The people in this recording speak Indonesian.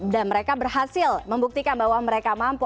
dan mereka berhasil membuktikan bahwa mereka mampu